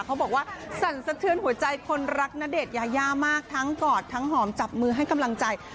เขาบอกว่าสั่นสะเทือนหัวใจคนรักณเดชน์ยายามากทั้งกอดทั้งหอมจับมือให้กำลังใจ